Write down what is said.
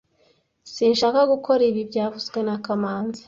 Sinshaka gukora ibi byavuzwe na kamanzi